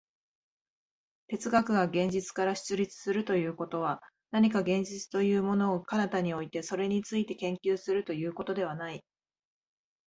哲学が現実から出立するということは、何か現実というものを彼方に置いて、それについて研究するということではない。